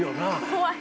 怖い。